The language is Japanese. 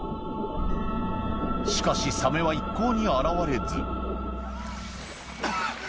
しかしサメは一向に現れずはぁ！